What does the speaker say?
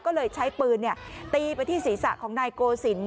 ก็เลยใช้ปืนตีไปที่ศีรษะของนายโกศิลป